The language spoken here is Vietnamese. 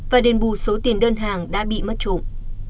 và đền bù số tiền đơn hàng đã bị mất trộm